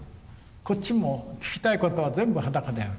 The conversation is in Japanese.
こっちも聞きたいことは全部裸で会う。